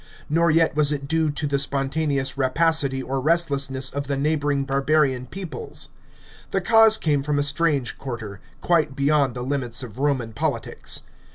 Nor yet was it due to the spon taneous rapacity or restlessness of the neighbourng barbarian peoples. The cause came from a strange quarter, quite beyond the limits of Roman politics.